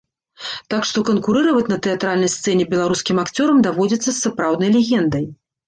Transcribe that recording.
Так што канкурыраваць на тэатральнай сцэне беларускім акцёрам даводзіцца з сапраўднай легендай.